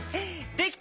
できた！